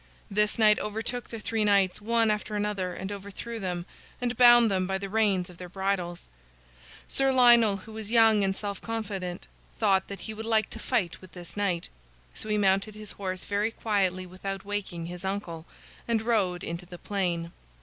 This knight overtook the three knights, one after another, and overthrew them, and bound them by the reins of their bridles. Sir Lionel, who was young and self confident, thought that he would like to fight with this knight. So he mounted his horse very quietly without waking his uncle, and rode into the plain.